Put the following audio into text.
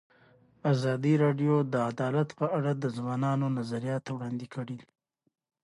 ازادي راډیو د عدالت په اړه د ځوانانو نظریات وړاندې کړي.